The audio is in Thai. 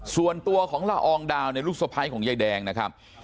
ส่วนตัวของละอองดาวในลูกสวรรพายของใยแดงนะครับ